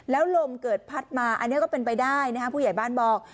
แล้วลมเกิดพัดมาอันนี้ก็เป็นไปได้นะครับผู้ใหญ่บ้านบอก